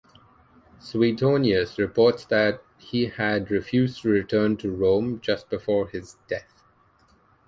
Suetonius reports that he had refused to return to Rome just before his death.